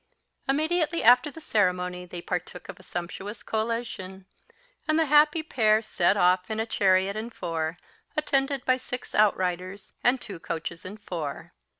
Immediately after the ceremony they partook of a sumptuous collation, and the happy pair set off in a chariot and four, attended by six outriders, and two coaches and four.